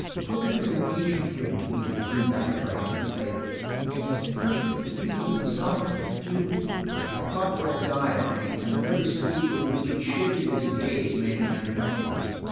"Look at her engagement ring," Edith threw back triumphantly. "And it's a perfectly beautiful solitaire, too." I caught Fred's eye on me, and the very speed with which he shifted his gaze made me uncomfortable.